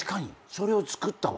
それをつくったわ。